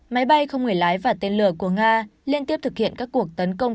máy bay không người lái và tên lửa của nga liên tiếp thực hiện các cuộc tấn công